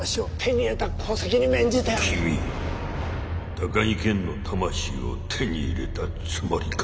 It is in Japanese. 高木健の魂を手に入れたつもりか？